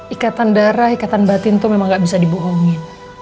ikatan darah ikatan batin itu memang gak bisa dibohongin